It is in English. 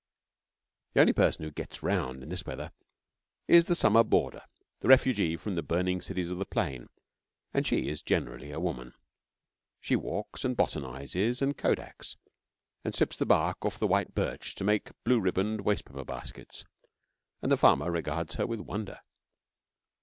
The only person who 'gets around' in this weather is the summer boarder the refugee from the burning cities of the Plain, and she is generally a woman. She walks, and botanizes, and kodaks, and strips the bark off the white birch to make blue ribboned waste paper baskets, and the farmer regards her with wonder.